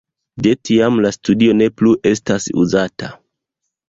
De tiam la studio ne plu estas uzata.